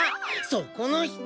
そこの人！